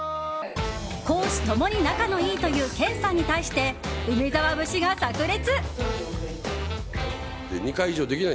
公私共に仲のいいという研さんに対して梅沢節がさく裂！